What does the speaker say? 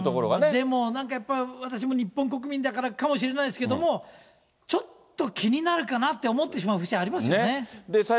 でも私も日本国民だからなのかもしれないですけど、ちょっと気になるかなって思ってしまう節ありますね。